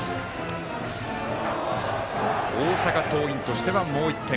大阪桐蔭としては、もう１点。